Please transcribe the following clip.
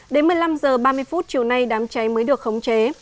đến một mươi năm h ba mươi chiều nay đám cháy mới được khống chế